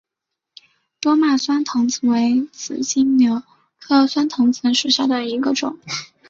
多脉酸藤子为紫金牛科酸藤子属下的一个种。